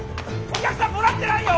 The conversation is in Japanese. お客さんもらってないよ！